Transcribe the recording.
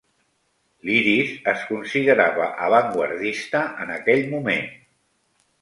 L'Iris es considerava avantguardista en aquell moment.